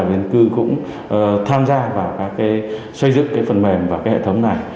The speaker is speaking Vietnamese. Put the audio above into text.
dân cư cũng tham gia vào xây dựng phần mềm và hệ thống này